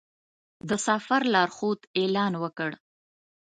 د سفر لارښود اعلان وکړ.